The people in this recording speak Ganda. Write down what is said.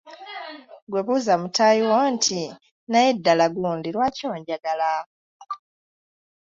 Ggwe buuza mutaayi wo nti, “ Naye ddala gundi lwaki onjagala ?